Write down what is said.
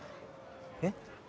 えっ？